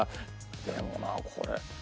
でもなこれ。